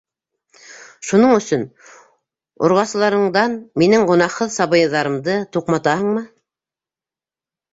Шуның өсөн орғасыларыңдан минең гонаһһыҙ сабыйҙарымды туҡматаһыңмы?